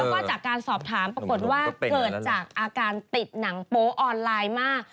แล้วก็จากการสอบถามปรากฏว่าเกิดจากอาการติดหนังโป๊ออนไลน์มาก